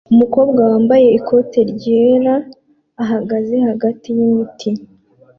Umukobwa wambaye ikote ryera ahagarara hagati yimiti